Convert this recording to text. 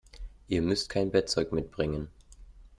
Ihr müsst kein Bettzeug mitbringen.